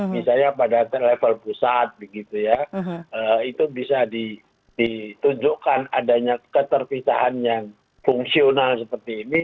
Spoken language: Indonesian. misalnya pada level pusat begitu ya itu bisa ditunjukkan adanya keterpisahan yang fungsional seperti ini